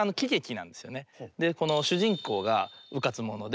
この主人公がうかつ者で。